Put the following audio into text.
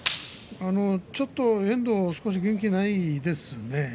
ちょっと遠藤少し元気ないですね。